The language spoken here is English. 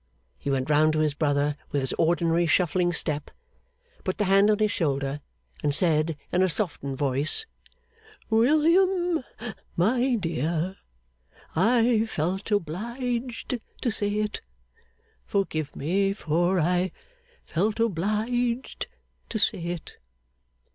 He went round to his brother with his ordinary shuffling step, put the hand on his shoulder, and said, in a softened voice, 'William, my dear, I felt obliged to say it; forgive me, for I felt obliged to say it!